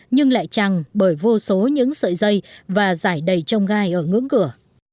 nhưng lại chẳng bởi vô số những sợi dây và giải đầy trông gai ở ngưỡng cửa